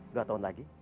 dua tahun lagi